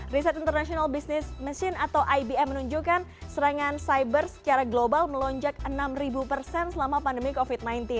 riset international business machine atau ibm menunjukkan serangan cyber secara global melonjak enam persen selama pandemi covid sembilan belas